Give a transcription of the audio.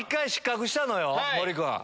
森君。